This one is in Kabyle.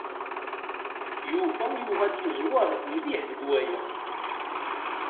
Yuba yuɣal yeẓwer mliḥ deg waya.